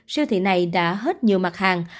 siêu thị này đã hết nhiều mặt hàng